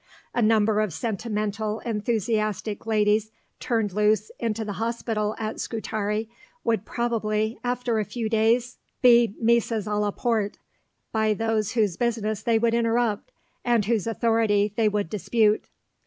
A number of sentimental enthusiastic ladies turned loose into the Hospital at Scutari would probably, after a few days, be mises à la porte by those whose business they would interrupt, and whose authority they would dispute.